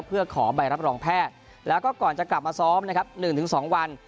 เพื่อขอใบรับรองแพทย์แล้วก็ก่อนจะกลับมาซ้อมนะครับ๑๒วัน